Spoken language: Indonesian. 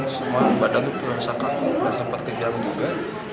semua badan tuh tersakang dan sempat kejang juga